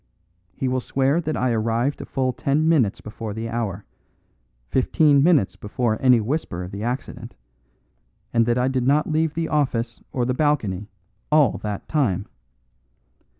He will swear that I arrived a full ten minutes before the hour, fifteen minutes before any whisper of the accident, and that I did not leave the office or the balcony all that time.